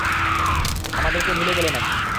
আমাদেরকে ভু্লে গেলে নাকি?